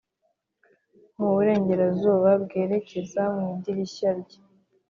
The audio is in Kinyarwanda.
muburengerazuba bwerekeza ku idirishya rye.